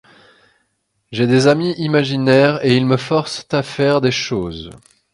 J’ai des amis imaginaires, et ils me forcent à faire des choses.